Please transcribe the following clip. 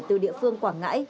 từ địa phương quảng ngãi